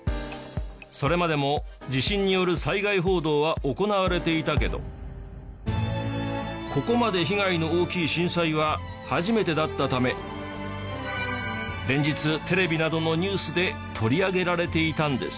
それまでも地震による災害報道は行われていたけどここまで被害の大きい震災は初めてだったため連日テレビなどのニュースで取り上げられていたんです。